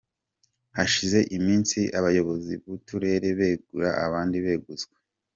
Hashize iminsi abayobozi b’ uturere begura, abandi beguzwa.